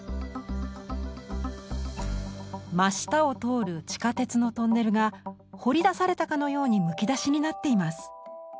真下を通る地下鉄のトンネルが掘り出されたかのようにむき出しになっています。